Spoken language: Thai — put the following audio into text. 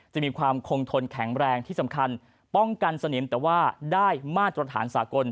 จะมีความคงทนแข็งแรงที่สำคัญป้องกันสนิมแต่ว่าได้มาตรฐานสากล